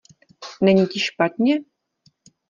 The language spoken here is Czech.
Není ti špatně?